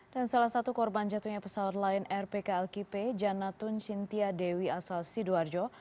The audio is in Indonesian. dan salah satu korban jatuhnya pesawat lion air pklkp janatun sintia dewi asal sidoarjo